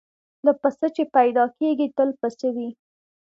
له پسه چي پیدا کیږي تل پسه وي